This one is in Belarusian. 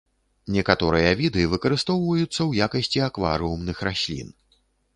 Некаторыя віды выкарыстоўваюцца ў якасці акварыумных раслін.